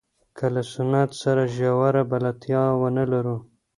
که له سنت سره ژوره بلدتیا ونه لرو.